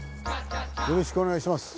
よろしくお願いします。